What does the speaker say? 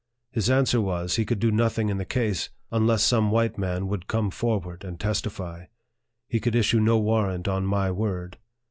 His answer was, he could do nothing in the case, unless some white man would come forward and testify. He could issue no warrant on my word.